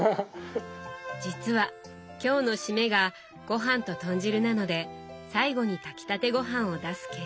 実は今日の締めがごはんと豚汁なので最後に炊きたてごはんを出す計算。